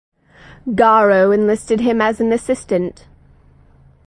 Garrow enlisted him as an assistant.